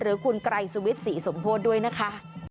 หรือคุณไกรสวิทย์ศรีสมโพธิด้วยนะคะ